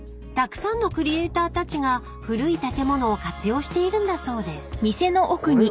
［たくさんのクリエーターたちが古い建物を活用しているんだそうです］